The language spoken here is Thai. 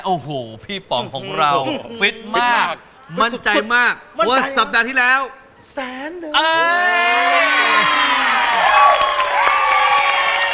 โอ้โหพี่ป๋องของเราฟิตมากมั่นใจมากว่าสัปดาห์ที่แล้วแสนหนึ่งเอ้ย